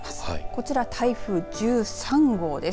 こちら台風１３号です。